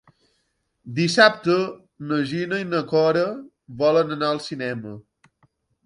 Dissabte na Gina i na Cora volen anar al cinema.